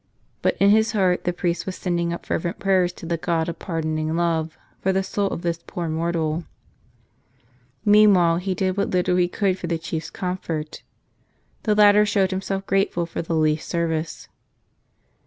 But in his heart the priest was sending up fervent prayers to the God of pardoning love for the soul of this poor mortal. Meanwhile he did what little he could for the chief's comfort. The latter showed him¬ self grateful for the least service.